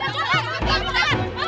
pastinya tuh ibu ibu